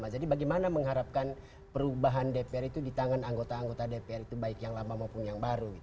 jadi bagaimana mengharapkan perubahan dpr itu di tangan anggota anggota dpr itu baik yang lama maupun yang baru